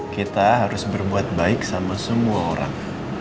kita harus berbuat baik sama semua orang